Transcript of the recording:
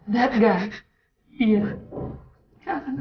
lepas ga ada gua ioan